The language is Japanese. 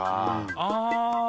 ああ。